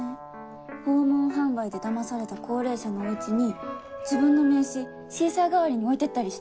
訪問販売でだまされた高齢者のお家に自分の名刺シーサー代わりに置いてったりして。